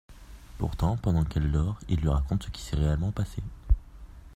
Pourtant, pendant qu’elle dort, il lui raconte ce qui s’est réellement passé.